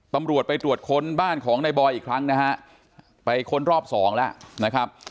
ตำรวจไปตรวจค้นบ้านของนายบอยอีกครั้งนะฮะไปค้นรอบสองแล้วนะครับ